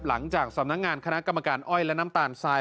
สำนักงานคณะกรรมการอ้อยและน้ำตาลทราย